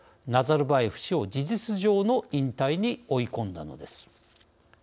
ナザルバーエフ氏を事実上の引退に追い込んだのです。